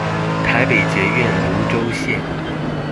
台北捷運蘆洲線